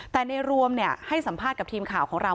แต่ในรวมให้สัมภาษณ์กับทีมข่าวของเรา